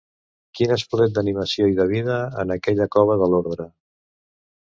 Quin esplet d'animació i de vida en aquella cova de l'ordre